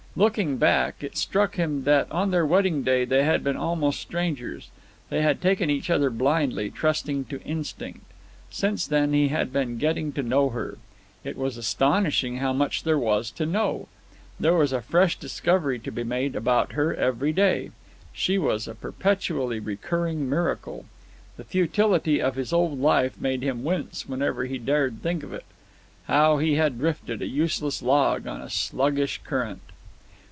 Looking back, it struck him that on their wedding day they had been almost strangers. They had taken each other blindly, trusting to instinct. Since then he had been getting to know her. It was astonishing how much there was to know. There was a fresh discovery to be made about her every day. She was a perpetually recurring miracle. The futility of his old life made him wince whenever he dared think of it. How he had drifted, a useless log on a sluggish current!